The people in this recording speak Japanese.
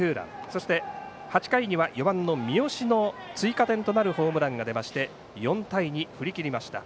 そして８回には４番の三好の追加点となるホームランが出まして４対２、振り切りました。